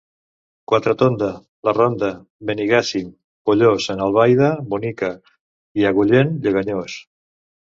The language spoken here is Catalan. Quatretonda, la ronda; Benigànim pollós, en Albaida bonica i Agullent lleganyós.